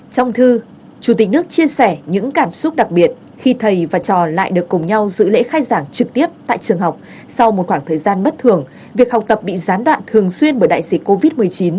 trong thư chủ tịch nước chia sẻ những cảm xúc đặc biệt khi thầy và trò lại được cùng nhau giữ lễ khai giảng trực tiếp tại trường học sau một khoảng thời gian bất thường việc học tập bị gián đoạn thường xuyên bởi đại dịch covid một mươi chín